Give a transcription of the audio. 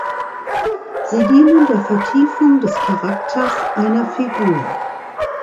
Sie dienen der Vertiefung des Charakters einer Figur.